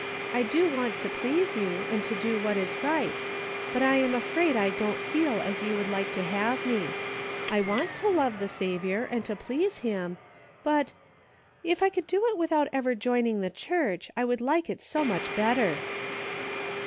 " I do want tb please you, and to do what is right ; but I am afraid I don't feel as you would like to have me. I want to love the Saviour, and to please him ; but — if I could do it without ever joining the Church, I should like it so much better."